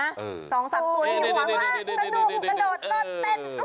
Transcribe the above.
๒๓ตัวที่อยู่ขวางล่างนุ่มกระโดดตัดเต้น